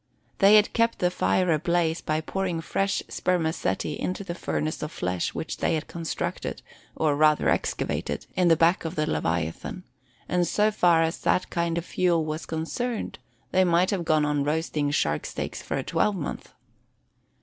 They had kept the fire ablaze by pouring fresh spermaceti into the furnace of flesh which they had constructed, or rather excavated, in the back of the leviathan; and so far as that kind of fuel was concerned, they might have gone on roasting shark steaks for a twelvemonth.